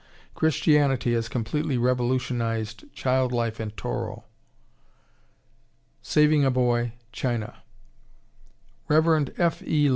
Christianity has completely revolutionized child life in Toro. SAVING A BOY, CHINA Rev. F. E.